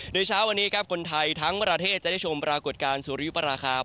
โดยเช้าวันนี้ครับคนไทยทั้งประเทศจะได้ชมปรากฏการณ์สุริยุปราคา